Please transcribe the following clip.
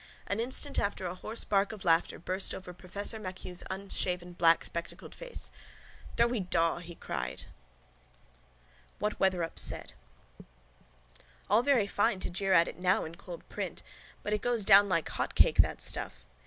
An instant after a hoarse bark of laughter burst over professor MacHugh's unshaven blackspectacled face. —Doughy Daw! he cried. WHAT WETHERUP SAID All very fine to jeer at it now in cold print but it goes down like hot cake that stuff.